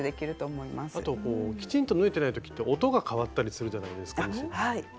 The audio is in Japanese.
あとこうきちんと縫えてない時って音が変わったりするじゃないですかミシンって。